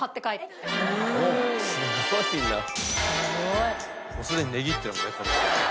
「すごいな」「すごい」「すでに値切ってるもんね」